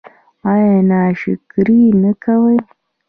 ایا ناشکري نه کوئ؟